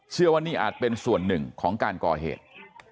เชื่อว่านี่อาจเป็นส่วนหนึ่งของการก่อเหตุ